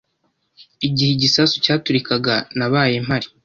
Igihe igisasu cyaturikaga, nabaye mpari.